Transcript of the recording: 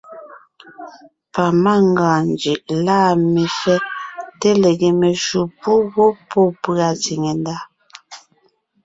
Pamangʉa njʉʼ lâ mefɛ́ té lege meshǔ pú ngwɔ́ pɔ́ pʉ̀a tsìŋe ndá.